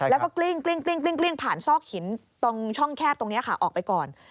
แล้วก็กลิ้งผ่านซอกหินตรงช่องแคบตรงนี้ค่ะออกไปก่อน